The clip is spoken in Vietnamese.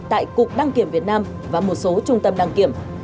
tại cục đăng kiểm việt nam và một số trung tâm đăng kiểm